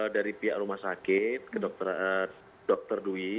dari pihak rumah sakit ke dr dwi